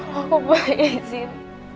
kalau aku boleh izin